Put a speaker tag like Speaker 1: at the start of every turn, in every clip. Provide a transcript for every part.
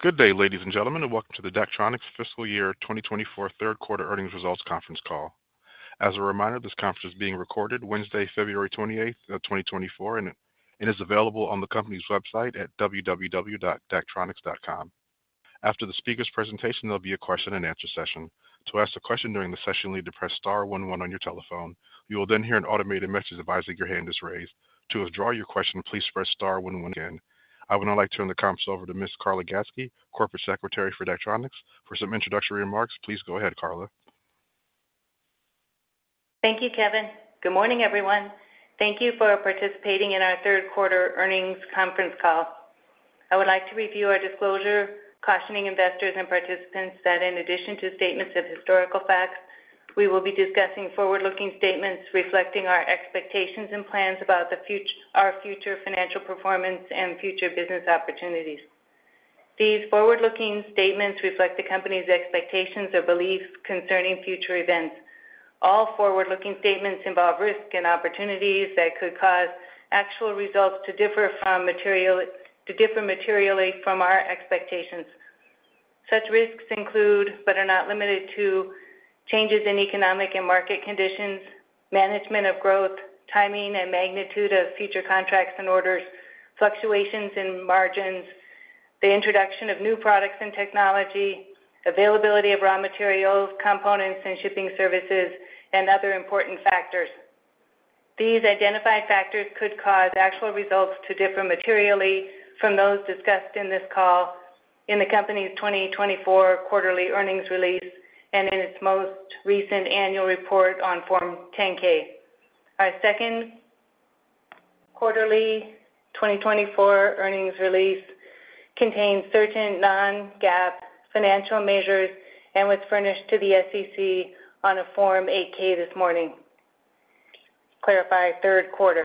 Speaker 1: Good day, ladies and gentlemen, and welcome to the Daktronics fiscal year 2024 third quarter earnings results conference call. As a reminder, this conference is being recorded Wednesday, February 28, 2024, and it is available on the company's website at www.daktronics.com. After the speaker's presentation, there'll be a question-and-answer session. To ask a question during the session, you need to press star one one on your telephone. You will then hear an automated message advising your hand is raised. To withdraw your question, please press star one one again. I would now like to turn the conference over to Ms. Carla Gatzke, Corporate Secretary for Daktronics. For some introductory remarks, please go ahead, Carla.
Speaker 2: Thank you, Kevin. Good morning, everyone. Thank you for participating in our third quarter earnings conference call. I would like to review our disclosure, cautioning investors and participants that in addition to statements of historical facts, we will be discussing forward-looking statements reflecting our expectations and plans about our future financial performance and future business opportunities. These forward-looking statements reflect the company's expectations or beliefs concerning future events. All forward-looking statements involve risks and opportunities that could cause actual results to differ materially from our expectations. Such risks include, but are not limited to, changes in economic and market conditions, management of growth, timing and magnitude of future contracts and orders, fluctuations in margins, the introduction of new products and technology, availability of raw materials, components and shipping services, and other important factors. These identified factors could cause actual results to differ materially from those discussed in this call in the company's 2024 quarterly earnings release and in its most recent annual report on Form 10-K. Our second quarter 2024 earnings release contains certain non-GAAP financial measures and was furnished to the SEC on a Form 8-K this morning. Clarify third quarter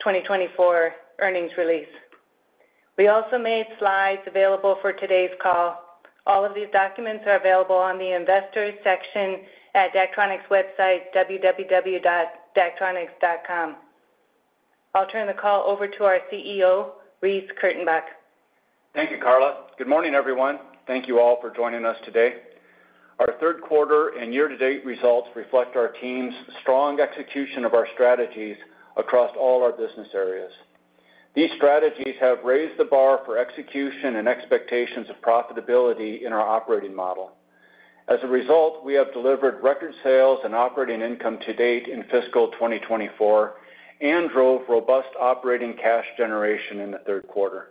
Speaker 2: 2024 earnings release. We also made slides available for today's call. All of these documents are available on the Investors section at Daktronics website, www.daktronics.com. I'll turn the call over to our CEO, Reece Kurtenbach.
Speaker 3: Thank you, Carla. Good morning, everyone. Thank you all for joining us today. Our third quarter and year-to-date results reflect our team's strong execution of our strategies across all our business areas. These strategies have raised the bar for execution and expectations of profitability in our operating model. As a result, we have delivered record sales and operating income to date in fiscal 2024 and drove robust operating cash generation in the third quarter.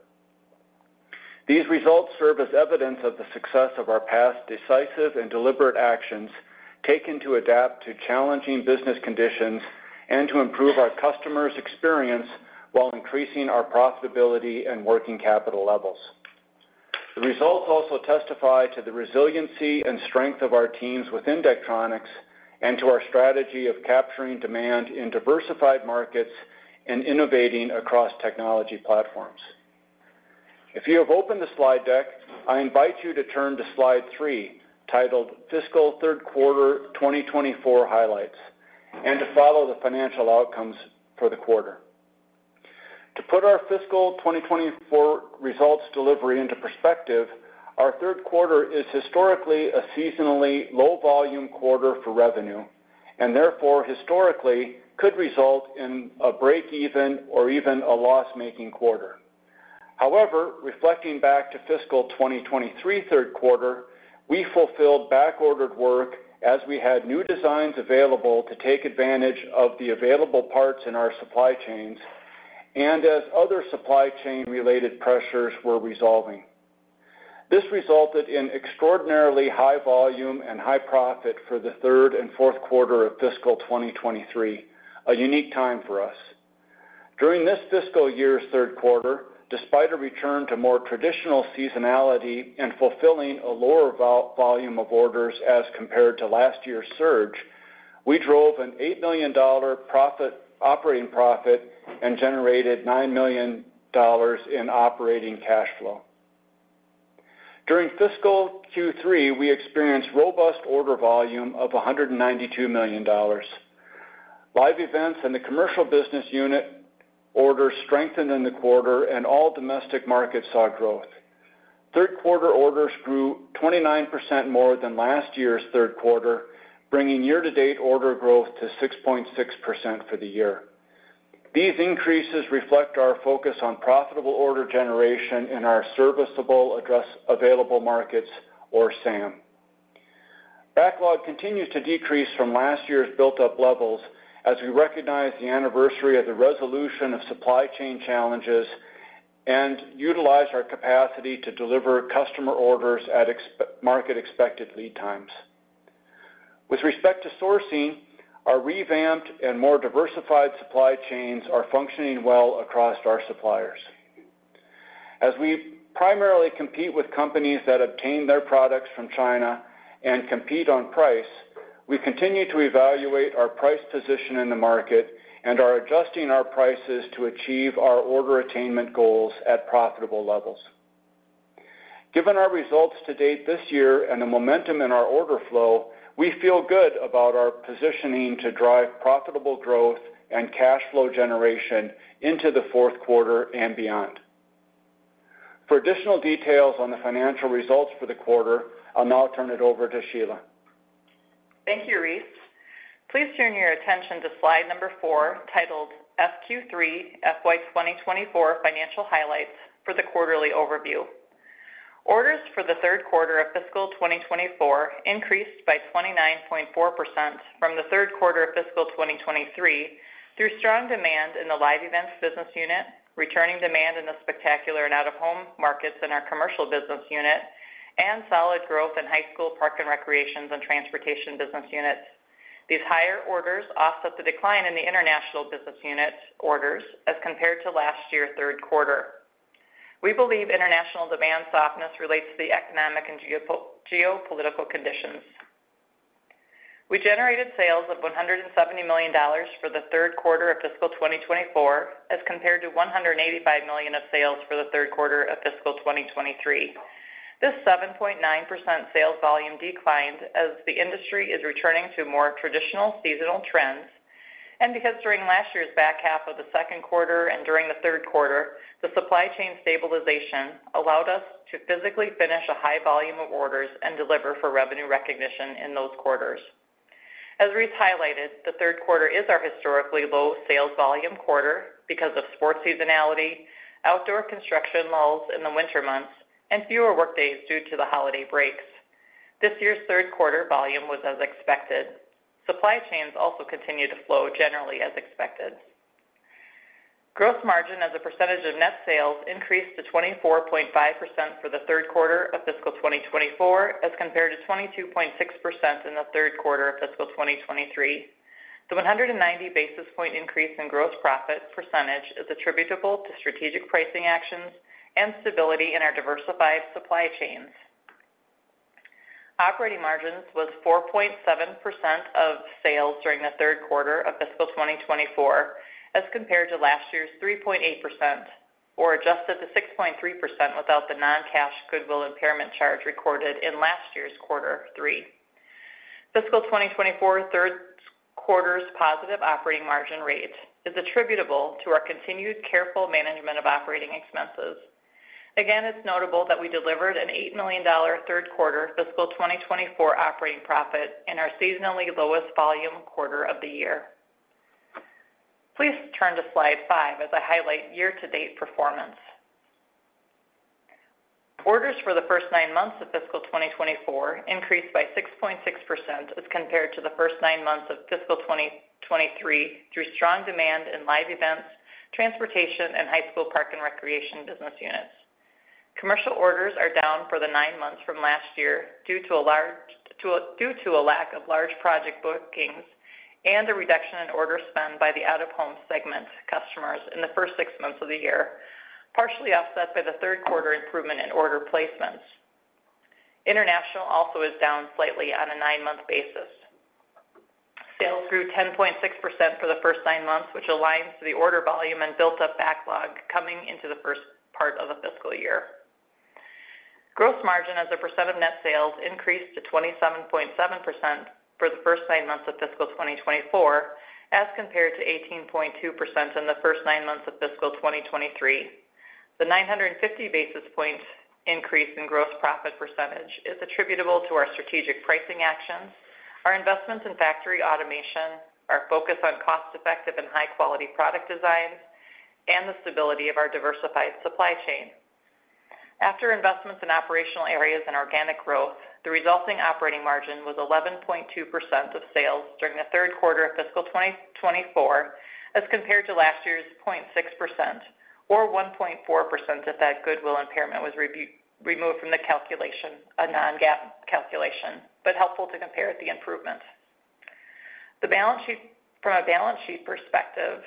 Speaker 3: These results serve as evidence of the success of our past decisive and deliberate actions taken to adapt to challenging business conditions and to improve our customers' experience while increasing our profitability and working capital levels. The results also testify to the resiliency and strength of our teams within Daktronics and to our strategy of capturing demand in diversified markets and innovating across technology platforms. If you have opened the slide deck, I invite you to turn to slide three, titled: Fiscal third quarter 2024 highlights, and to follow the financial outcomes for the quarter. To put our fiscal 2024 results delivery into perspective, our third quarter is historically a seasonally low volume quarter for revenue, and therefore historically could result in a break-even or even a loss-making quarter. However, reflecting back to fiscal 2023 third quarter, we fulfilled back-ordered work as we had new designs available to take advantage of the available parts in our supply chains and as other supply chain-related pressures were resolving. This resulted in extraordinarily high volume and high profit for the third and fourth quarter of fiscal 2023, a unique time for us. During this fiscal year's third quarter, despite a return to more traditional seasonality and fulfilling a lower volume of orders as compared to last year's surge, we drove an $8 million operating profit and generated $9 million in operating cash flow. During fiscal Q3, we experienced robust order volume of $192 million. Live events and the commercial business unit orders strengthened in the quarter, and all domestic markets saw growth. Third quarter orders grew 29% more than last year's third quarter, bringing year-to-date order growth to 6.6% for the year. These increases reflect our focus on profitable order generation in our serviceable addressable markets, or SAM. Backlog continues to decrease from last year's built-up levels as we recognize the anniversary of the resolution of supply chain challenges and utilize our capacity to deliver customer orders at market-expected lead times. With respect to sourcing, our revamped and more diversified supply chains are functioning well across our suppliers. As we primarily compete with companies that obtain their products from China and compete on price, we continue to evaluate our price position in the market and are adjusting our prices to achieve our order attainment goals at profitable levels. Given our results to date this year and the momentum in our order flow, we feel good about our positioning to drive profitable growth and cash flow generation into the fourth quarter and beyond. For additional details on the financial results for the quarter, I'll now turn it over to Sheila.
Speaker 4: Thank you, Reece. Please turn your attention to slide number three, titled FQ3 FY 2024 financial highlights, for the quarterly overview. Orders for the third quarter of fiscal 2024 increased by 29.4% from the third quarter of fiscal 2023 through strong demand in the Live Events business unit, returning demand in the spectacular and out-of-home markets in our commercial business unit, and solid growth in high school, parks and recreation, and transportation business units. These higher orders offset the decline in the international business unit orders as compared to last year, third quarter. We believe international demand softness relates to the economic and geopolitical conditions. We generated sales of $170 million for the third quarter of fiscal 2024, as compared to $185 million of sales for the third quarter of fiscal 2023. This 7.9% sales volume declined as the industry is returning to more traditional seasonal trends and because during last year's back half of the second quarter and during the third quarter, the supply chain stabilization allowed us to physically finish a high volume of orders and deliver for revenue recognition in those quarters. As Reece highlighted, the third quarter is our historically low sales volume quarter because of sports seasonality, outdoor construction lulls in the winter months, and fewer workdays due to the holiday breaks. This year's third quarter volume was as expected. Supply chains also continue to flow generally as expected. Gross margin as a percentage of net sales increased to 24.5% for the third quarter of fiscal 2024, as compared to 22.6% in the third quarter of fiscal 2023. The 190 basis point increase in gross profit percentage is attributable to strategic pricing actions and stability in our diversified supply chains. Operating margins was 4.7% of sales during the third quarter of fiscal 2024, as compared to last year's 3.8%, or adjusted to 6.3% without the non-cash goodwill impairment charge recorded in last year's quarter three. Fiscal 2024 third quarter's positive operating margin rate is attributable to our continued careful management of operating expenses. Again, it's notable that we delivered an $8 million third quarter fiscal 2024 operating profit in our seasonally lowest volume quarter of the year. Please turn to slide five as I highlight year-to-date performance. Orders for the first nine months of fiscal 2024 increased by 6.6% as compared to the first nine months of fiscal 2023, through strong demand in live events, transportation, and high school, park, and recreation business units. Commercial orders are down for the nine months from last year due to a lack of large project bookings and a reduction in order spend by the out-of-home segment customers in the first six months of the year, partially offset by the third quarter improvement in order placements. International also is down slightly on a nine-month basis. Sales grew 10.6% for the first nine months, which aligns to the order volume and built up backlog coming into the first part of the fiscal year. Gross margin as a percent of net sales increased to 27.7% for the first nine months of fiscal 2024, as compared to 18.2% in the first nine months of fiscal 2023. The 950 basis point increase in gross profit percentage is attributable to our strategic pricing actions, our investments in factory automation, our focus on cost-effective and high-quality product designs, and the stability of our diversified supply chain. After investments in operational areas and organic growth, the resulting operating margin was 11.2% of sales during the third quarter of fiscal 2024, as compared to last year's 0.6%, or 1.4%, if that goodwill Impairment was removed from the calculation, a non-GAAP calculation, but helpful to compare the improvement. The balance sheet. From a balance sheet perspective,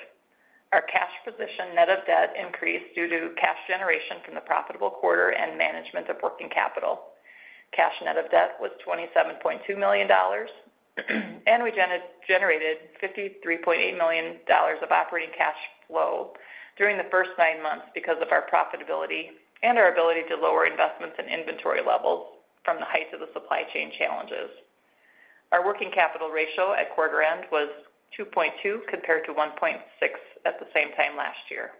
Speaker 4: our cash position, net of debt, increased due to cash generation from the profitable quarter and management of working capital. Cash net of debt was $27.2 million, and we generated $53.8 million of operating cash flow during the first nine months because of our profitability and our ability to lower investments and inventory levels from the height of the supply chain challenges. Our working capital ratio at quarter end was 2.2, compared to 1.6 at the same time last year.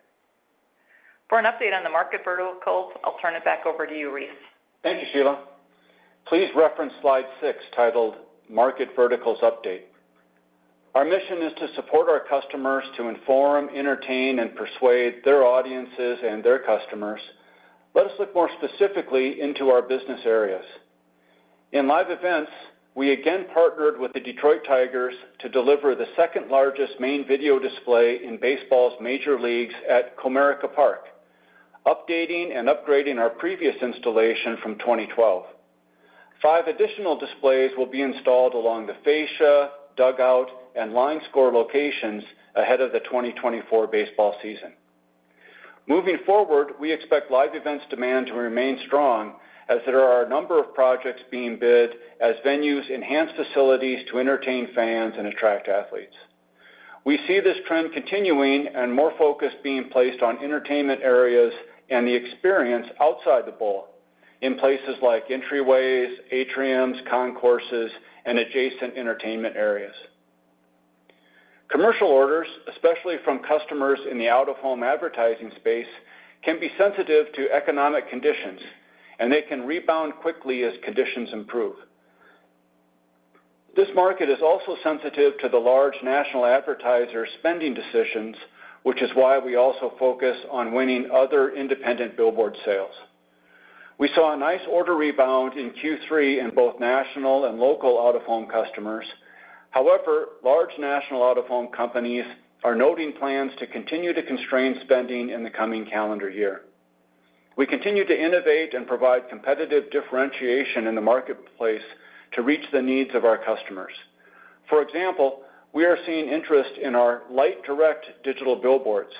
Speaker 4: For an update on the market verticals, I'll turn it back over to you, Reece.
Speaker 3: Thank you, Sheila. Please reference slide six, titled Market Verticals Update. Our mission is to support our customers to inform, entertain, and persuade their audiences and their customers. Let us look more specifically into our business areas. In live events, we again partnered with the Detroit Tigers to deliver the second-largest main video display in baseball's major leagues at Comerica Park, updating and upgrading our previous installation from 2012. Five additional displays will be installed along the fascia, dugout, and line score locations ahead of the 2024 baseball season. Moving forward, we expect live events demand to remain strong as there are a number of projects being bid as venues enhance facilities to entertain fans and attract athletes. We see this trend continuing and more focus being placed on entertainment areas and the experience outside the bowl, in places like entryways, atriums, concourses, and adjacent entertainment areas. Commercial orders, especially from customers in the out-of-home advertising space, can be sensitive to economic conditions, and they can rebound quickly as conditions improve. This market is also sensitive to the large national advertiser spending decisions, which is why we also focus on winning other independent billboard sales. We saw a nice order rebound in Q3 in both national and local out-of-home customers. However, large national out-of-home companies are noting plans to continue to constrain spending in the coming calendar year. We continue to innovate and provide competitive differentiation in the marketplace to reach the needs of our customers. For example, we are seeing interest in our LightDirect digital billboards.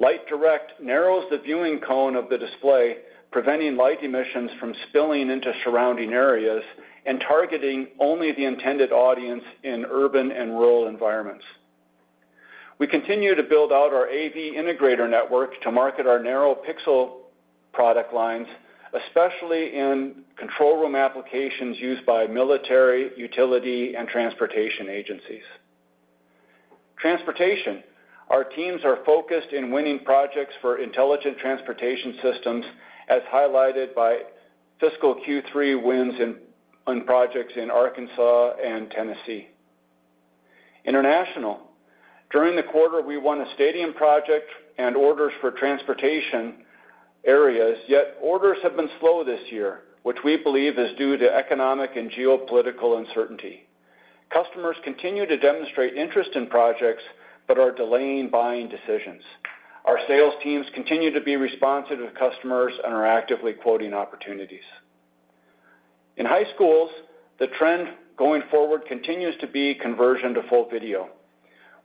Speaker 3: LightDirect narrows the viewing cone of the display, preventing light emissions from spilling into surrounding areas and targeting only the intended audience in urban and rural environments. We continue to build out our AV Integrator network to market our narrow pixel pitch product lines, especially in control room applications used by military, utility, and transportation agencies. Transportation. Our teams are focused in winning projects for intelligent transportation systems, as highlighted by fiscal Q3 wins in, on projects in Arkansas and Tennessee. International. During the quarter, we won a stadium project and orders for transportation areas, yet orders have been slow this year, which we believe is due to economic and geopolitical uncertainty. Customers continue to demonstrate interest in projects but are delaying buying decisions. Our sales teams continue to be responsive to customers and are actively quoting opportunities. In high schools, the trend going forward continues to be conversion to full video.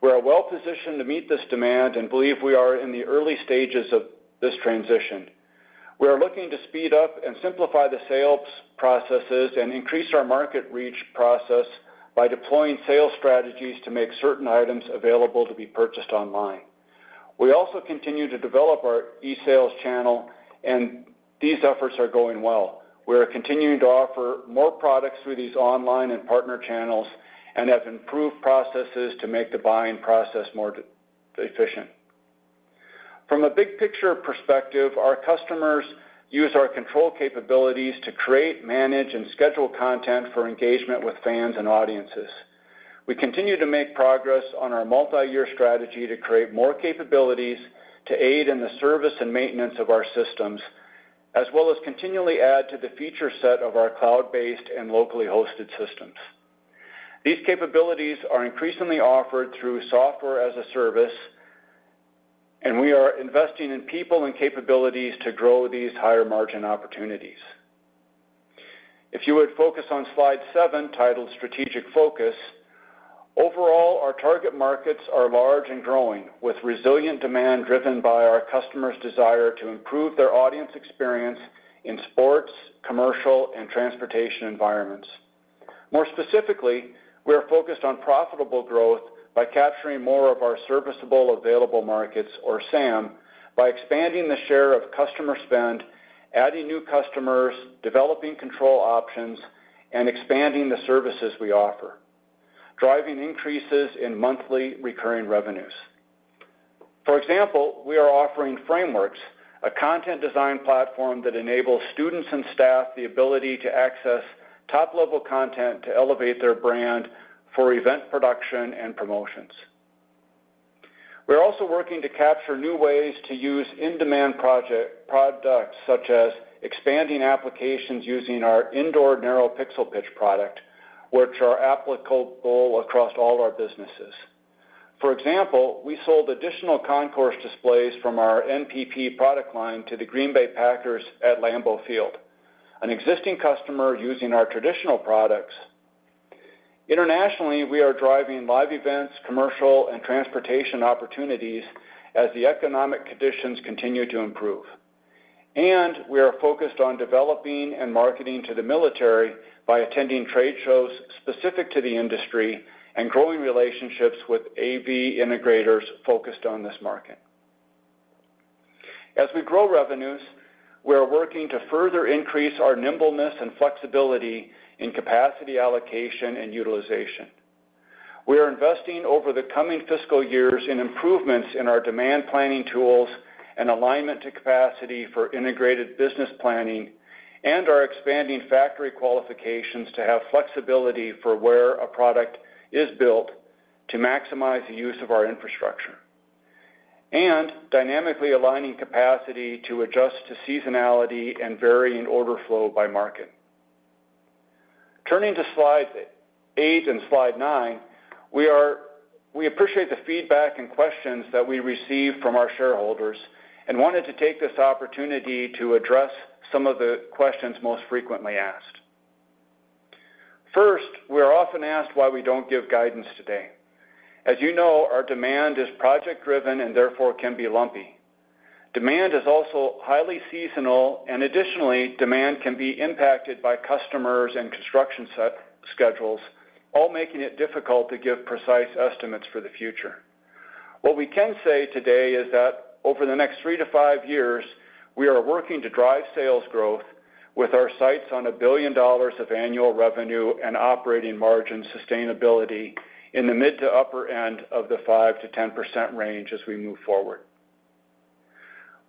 Speaker 3: We are well-positioned to meet this demand and believe we are in the early stages of this transition. We are looking to speed up and simplify the sales processes and increase our market reach process by deploying sales strategies to make certain items available to be purchased online. We also continue to develop our e-sales channel, and these efforts are going well. We are continuing to offer more products through these online and partner channels and have improved processes to make the buying process more efficient. From a big-picture perspective, our customers use our control capabilities to create, manage, and schedule content for engagement with fans and audiences. We continue to make progress on our multiyear strategy to create more capabilities to aid in the service and maintenance of our systems, as well as continually add to the feature set of our cloud-based and locally hosted systems. These capabilities are increasingly offered through software as a service, and we are investing in people and capabilities to grow these higher-margin opportunities. If you would focus on slide seven, titled Strategic focus. Overall, our target markets are large and growing, with resilient demand driven by our customers' desire to improve their audience experience in sports, commercial, and transportation environments. More specifically, we are focused on profitable growth by capturing more of our serviceable available markets, or SAM, by expanding the share of customer spend, adding new customers, developing control options, and expanding the services we offer, driving increases in monthly recurring revenues. For example, we are offering Frameworks, a content design platform that enables students and staff the ability to access top-level content to elevate their brand for event production and promotions. We're also working to capture new ways to use in-demand products, such as expanding applications using our indoor narrow pixel pitch product, which are applicable across all our businesses. For example, we sold additional concourse displays from our NPP product line to the Green Bay Packers at Lambeau Field, an existing customer using our traditional products. Internationally, we are driving live events, commercial, and transportation opportunities as the economic conditions continue to improve. And we are focused on developing and marketing to the military by attending trade shows specific to the industry and growing relationships with AV integrators focused on this market. As we grow revenues, we are working to further increase our nimbleness and flexibility in capacity, allocation, and utilization. We are investing over the coming fiscal years in improvements in our demand planning tools and alignment to capacity for integrated business planning, and are expanding factory qualifications to have flexibility for where a product is built to maximize the use of our infrastructure, and dynamically aligning capacity to adjust to seasonality and varying order flow by market. Turning to slide eight and slide nine, we appreciate the feedback and questions that we receive from our shareholders and wanted to take this opportunity to address some of the questions most frequently asked. First, we are often asked why we don't give guidance today. As you know, our demand is project-driven and therefore can be lumpy. Demand is also highly seasonal, and additionally, demand can be impacted by customers and construction schedules, all making it difficult to give precise estimates for the future. What we can say today is that over the next 3-5 years, we are working to drive sales growth with our sights on $1 billion of annual revenue and operating margin sustainability in the mid to upper end of the 5%-10% range as we move forward.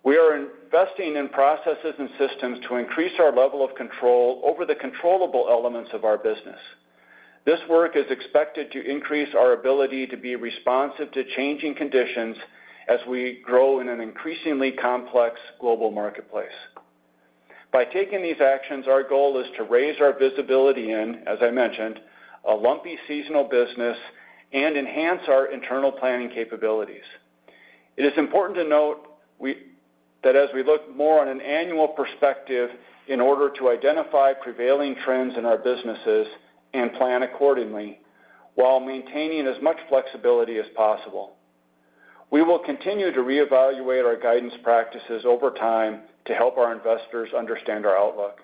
Speaker 3: We are investing in processes and systems to increase our level of control over the controllable elements of our business. This work is expected to increase our ability to be responsive to changing conditions as we grow in an increasingly complex global marketplace. By taking these actions, our goal is to raise our visibility in, as I mentioned, a lumpy seasonal business and enhance our internal planning capabilities. It is important to note that as we look more on an annual perspective in order to identify prevailing trends in our businesses and plan accordingly, while maintaining as much flexibility as possible. We will continue to reevaluate our guidance practices over time to help our investors understand our outlook.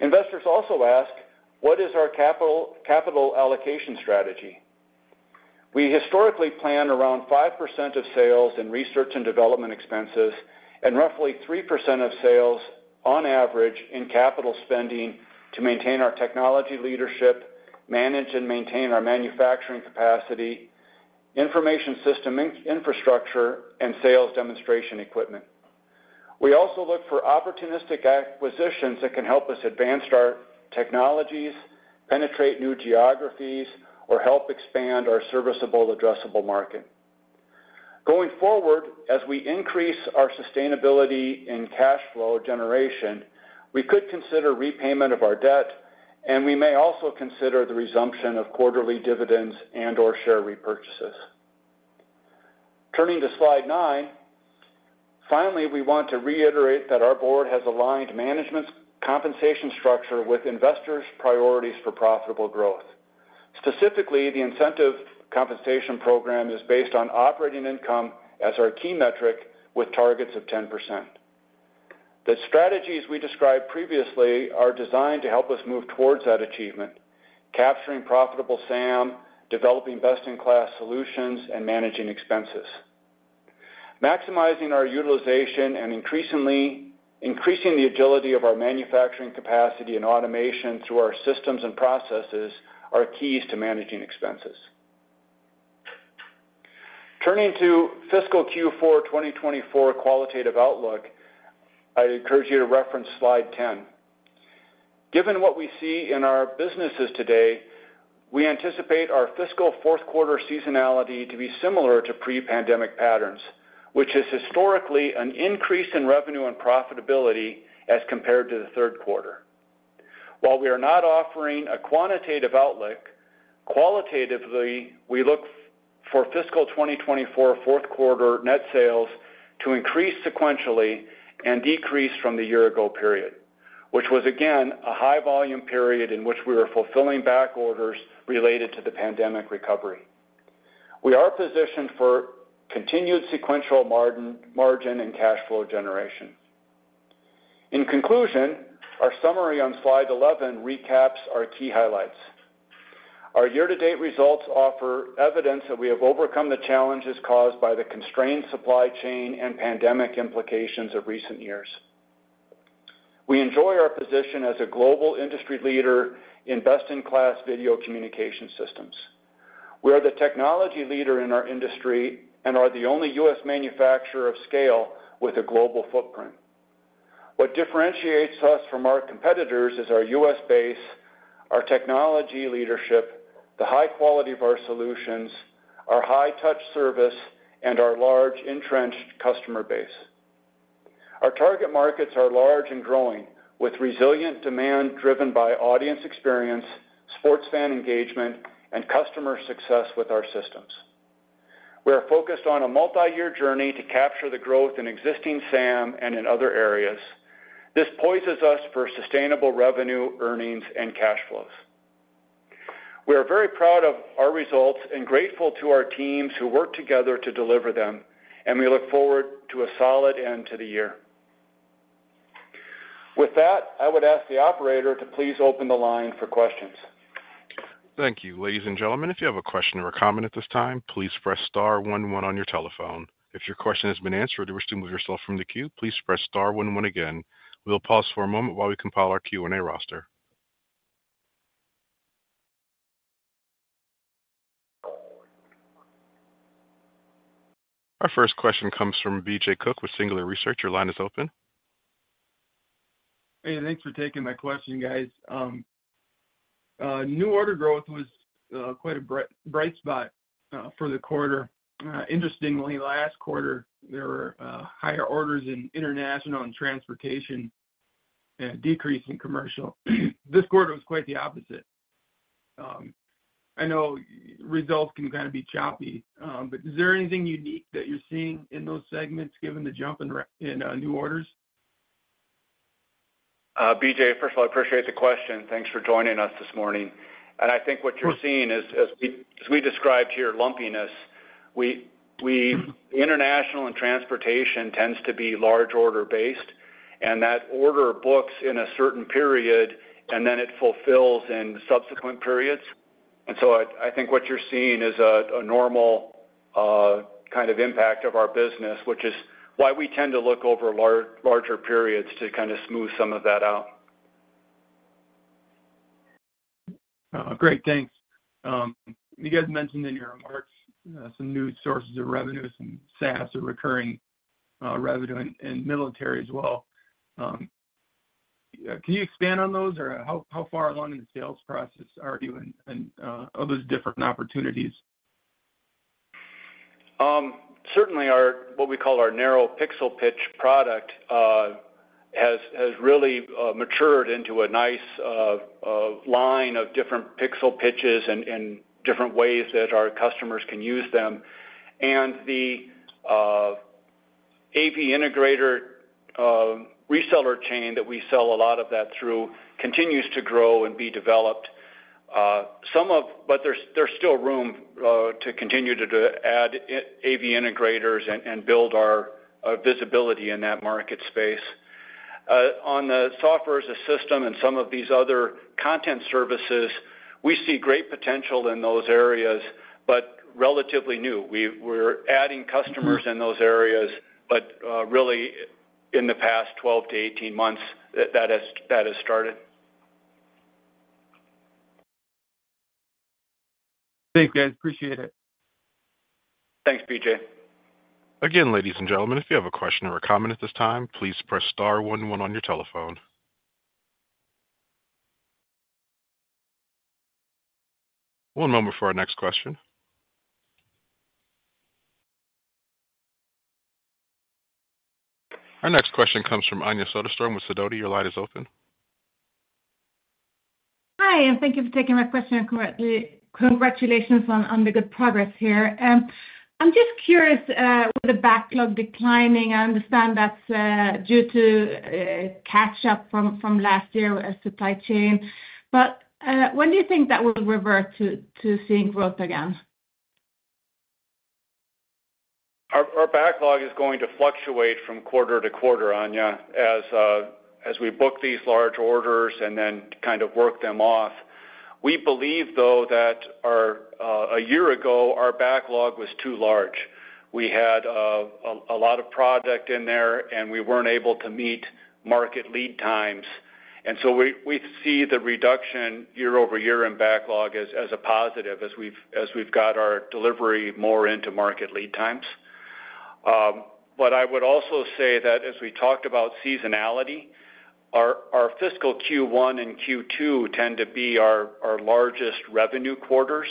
Speaker 3: Investors also ask, what is our capital, capital allocation strategy? We historically plan around 5% of sales in research and development expenses and roughly 3% of sales on average in capital spending to maintain our technology leadership, manage and maintain our manufacturing capacity, information system infrastructure, and sales demonstration equipment. We also look for opportunistic acquisitions that can help us advance our technologies, penetrate new geographies, or help expand our serviceable addressable market. Going forward, as we increase our sustainability in cash flow generation, we could consider repayment of our debt, and we may also consider the resumption of quarterly dividends and/or share repurchases. Turning to slide nine. Finally, we want to reiterate that our board has aligned management's compensation structure with investors' priorities for profitable growth. Specifically, the incentive compensation program is based on operating income as our key metric, with targets of 10%. The strategies we described previously are designed to help us move towards that achievement, capturing profitable SAM, developing best-in-class solutions, and managing expenses. Maximizing our utilization and increasing the agility of our manufacturing capacity and automation through our systems and processes are keys to managing expenses. Turning to fiscal Q4 2024 qualitative outlook, I'd encourage you to reference slide ten. Given what we see in our businesses today, we anticipate our fiscal fourth quarter seasonality to be similar to pre-pandemic patterns, which is historically an increase in revenue and profitability as compared to the third quarter. While we are not offering a quantitative outlook, qualitatively, we look for fiscal 2024 fourth quarter net sales to increase sequentially and decrease from the year ago period, which was again, a high volume period in which we were fulfilling back orders related to the pandemic recovery. We are positioned for continued sequential margin and cash flow generation. In conclusion, our summary on slide 11 recaps our key highlights. Our year-to-date results offer evidence that we have overcome the challenges caused by the constrained supply chain and pandemic implications of recent years. We enjoy our position as a global industry leader in best-in-class video communication systems. We are the technology leader in our industry and are the only U.S. manufacturer of scale with a global footprint. What differentiates us from our competitors is our U.S. base, our technology leadership, the high quality of our solutions, our high touch service, and our large, entrenched customer base. Our target markets are large and growing, with resilient demand driven by audience experience, sports fan engagement, and customer success with our systems. We are focused on a multi-year journey to capture the growth in existing SAM and in other areas. This poises us for sustainable revenue, earnings, and cash flows. We are very proud of our results and grateful to our teams who work together to deliver them, and we look forward to a solid end to the year. With that, I would ask the operator to please open the line for questions.
Speaker 1: Thank you. Ladies and gentlemen, if you have a question or a comment at this time, please press star one, one on your telephone. If your question has been answered or wish to move yourself from the queue, please press star one, one again. We'll pause for a moment while we compile our Q&A roster. Our first question comes from BJ Cook with Singular Research. Your line is open.
Speaker 5: Hey, thanks for taking my question, guys. New order growth was quite a bright spot for the quarter. Interestingly, last quarter, there were higher orders in international and transportation and a decrease in commercial. This quarter was quite the opposite. I know results can kind of be choppy, but is there anything unique that you're seeing in those segments, given the jump in new orders?
Speaker 3: B.J., first of all, I appreciate the question. Thanks for joining us this morning. And I think what you're seeing is, as we described here, lumpiness. We, international and transportation tends to be large order-based, and that order books in a certain period, and then it fulfills in subsequent periods. And so I think what you're seeing is a normal kind of impact of our business, which is why we tend to look over larger periods to kind of smooth some of that out.
Speaker 5: Great, thanks. You guys mentioned in your remarks some new sources of revenue, some SaaS or recurring revenue and military as well. Can you expand on those, or how far along in the sales process are you and are those different opportunities?
Speaker 3: Certainly our what we call our narrow pixel pitch product has really matured into a nice line of different pixel pitches and different ways that our customers can use them. And the AV Integrator reseller chain that we sell a lot of that through continues to grow and be developed. But there's still room to continue to add AV Integrators and build our visibility in that market space. On the software as a system and some of these other content services, we see great potential in those areas, but relatively new. We're adding customers in those areas, but really in the past 12-18 months, that has started.
Speaker 5: Thanks, guys. Appreciate it.
Speaker 3: Thanks, B.J.
Speaker 1: Again, ladies and gentlemen, if you have a question or a comment at this time, please press star one one on your telephone. One moment for our next question. Our next question comes from Anja Soderstrom with Sidoti. Your line is open.
Speaker 6: Hi, and thank you for taking my question, and congratulations on the good progress here. I'm just curious with the backlog declining. I understand that's due to catch up from last year with supply chain. But when do you think that will revert to seeing growth again?
Speaker 3: Our backlog is going to fluctuate from quarter to quarter, Anya, as we book these large orders and then kind of work them off. We believe, though, that a year ago, our backlog was too large. We had a lot of product in there, and we weren't able to meet market lead times. And so we see the reduction year-over-year in backlog as a positive, as we've got our delivery more into market lead times. But I would also say that as we talked about seasonality, our, our fiscal Q1 and Q2 tend to be our, our largest revenue quarters,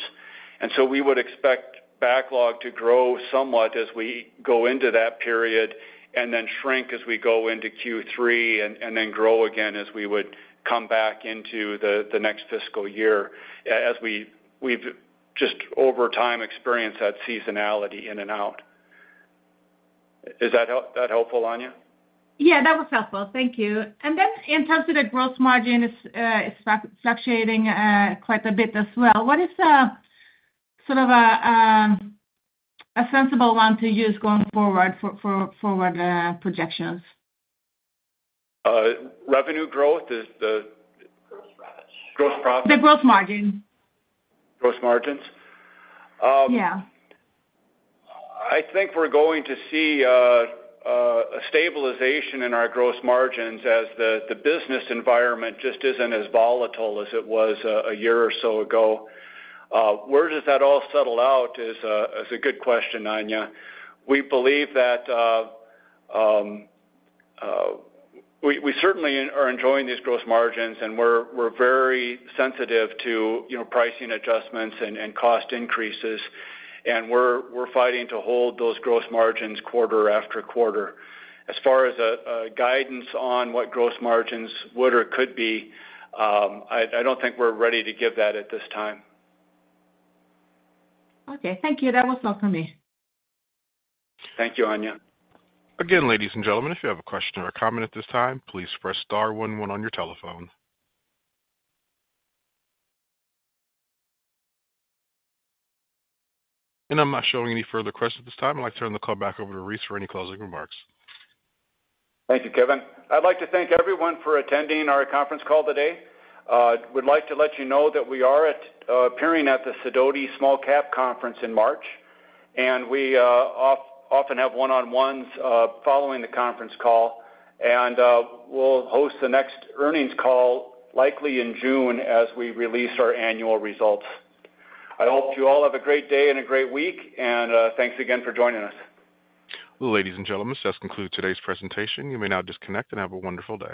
Speaker 3: and so we would expect backlog to grow somewhat as we go into that period, and then shrink as we go into Q3, and, and then grow again as we would come back into the, the next fiscal year. As we've just over time experienced that seasonality in and out. Is that helpful, Anya?
Speaker 6: Yeah, that was helpful. Thank you. And then in terms of the gross margin is fluctuating quite a bit as well. What is the sort of a sensible one to use going forward for forward projections?
Speaker 3: Revenue growth is the-
Speaker 4: Gross profits.
Speaker 3: Gross profits?
Speaker 6: The gross margin.
Speaker 3: Growth margins?
Speaker 6: Yeah.
Speaker 3: I think we're going to see a stabilization in our gross margins as the business environment just isn't as volatile as it was a year or so ago. Where does that all settle out is a good question, Anya. We believe that we certainly are enjoying these gross margins, and we're very sensitive to, you know, pricing adjustments and cost increases, and we're fighting to hold those gross margins quarter after quarter. As far as guidance on what gross margins would or could be, I don't think we're ready to give that at this time.
Speaker 6: Okay, thank you. That was all for me.
Speaker 3: Thank you, Anya.
Speaker 1: Again, ladies and gentlemen, if you have a question or a comment at this time, please press star one one on your telephone. I'm not showing any further questions at this time. I'd like to turn the call back over to Reece for any closing remarks.
Speaker 3: Thank you, Kevin. I'd like to thank everyone for attending our conference call today. Would like to let you know that we are appearing at the Sidoti Small-Cap Conference in March, and we often have one-on-ones following the conference call. And we'll host the next earnings call, likely in June, as we release our annual results. I hope you all have a great day and a great week, and thanks again for joining us.
Speaker 1: Ladies and gentlemen, this does conclude today's presentation. You may now disconnect and have a wonderful day.